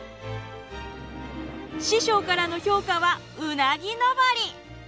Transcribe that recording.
師匠からの評価はうなぎ登り！